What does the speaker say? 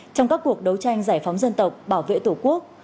trong các cuộc đấu tranh giải phóng dân tộc bảo vệ tổ quốc